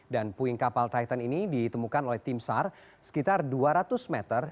dan puing kapal titan ini ditemukan oleh tim sar sekitar dua ratus meter